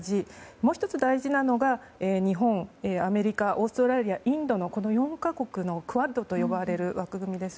もう１つ大事なのが日本、アメリカ、オーストラリアインドの４か国のクアッドと呼ばれる枠組みです。